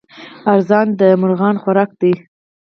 ارزن د مرغانو خوراک دی.